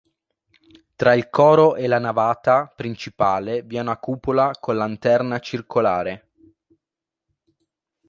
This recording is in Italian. Tra il coro e la navata principale vi è una cupola con lanterna circolare.